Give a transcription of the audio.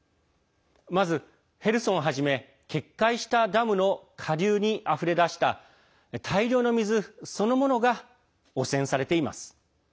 まず、ヘルソンはじめ決壊したダムの下流にあふれ出した大量の水そのものが汚染されています。